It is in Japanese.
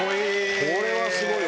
これはすごいわ。